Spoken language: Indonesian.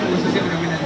bu susi mendominasi